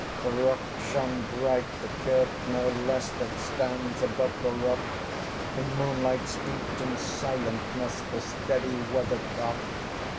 The rock shone bright, the kirk no less, That stands above the rock: The moonlight steeped in silentness The steady weathercock.